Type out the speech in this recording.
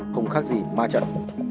không khác gì ma trận